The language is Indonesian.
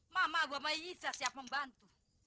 mama gua sama iza siap membantu